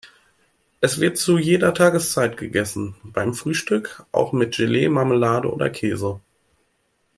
Es wird zu jeder Tageszeit gegessen, beim Frühstück auch mit Gelee, Marmelade oder Käse.